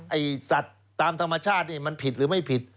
ไอ้สัตว์ตามธรรมชาตินี่มันผิดหรือไม่ผิด